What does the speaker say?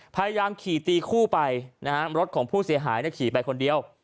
พยายามขี่ตีคู่ไปนะฮะรถของผู้เสียหายขี่ไปคนเดียว